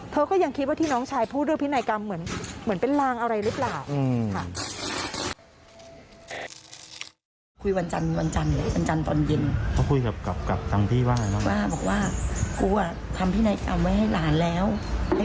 เธอก็ยังคิดว่าที่น้องชายพูดด้วยพินัยกรรมเหมือนเป็นลางอะไรหรือเปล่า